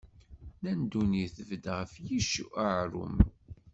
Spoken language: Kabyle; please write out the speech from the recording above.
Nnan ddunit tbedd ɣef yicc uɛerrum.